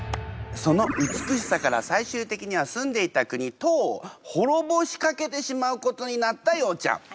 その美しさから最終的には住んでいた国唐を滅ぼしかけてしまうことになったようちゃん。